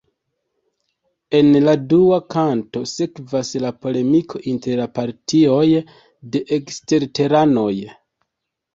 En la dua kanto sekvas la polemiko inter la partioj de eksterteranoj.